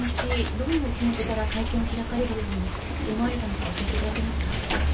どんな気持ちから会見を開かれるように思われたのか教えていただけますか？